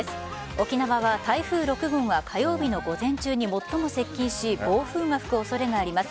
沖縄は台風６号が火曜日の午前中に最も接近し暴風が吹く恐れがあります。